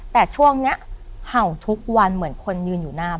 แต่ช่วงนี้เห่าทุกวันเหมือนคนยืนอยู่หน้าบ้าน